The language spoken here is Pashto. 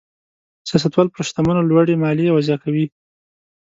سیاستوال پر شتمنو لوړې مالیې وضع کوي.